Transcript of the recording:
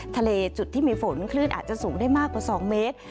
ทะเลจุดที่มีฝนคลื่นอาจจะสูงได้มากกว่า๒เมตร